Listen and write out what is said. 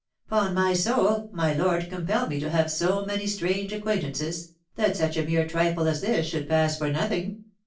"'Pon my soul, my lord compelled me to have so many strange acquaintances, that such a mere trifle as this should pass for nothing.